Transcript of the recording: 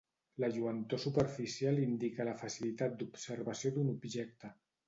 La lluentor superficial indica la facilitat d'observació d'un objecte.